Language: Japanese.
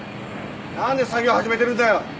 何で作業始めてるんだよ！